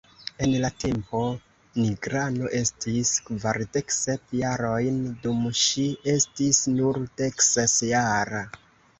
En la tempo, Tigrano estis kvardek sep jarojn dum ŝi estis nur dekses jara.